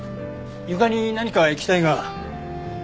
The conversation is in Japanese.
床に何か液体が。